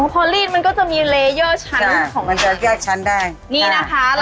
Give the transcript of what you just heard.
พอลีดมันก็จะมีเลเยอร์ชั้นของมันจะแยกชั้นได้นี่นะคะ